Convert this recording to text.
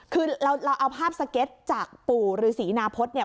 คือเราเอาภาพสเก็ตจากปู่ฤษีนาพฤษเนี่ย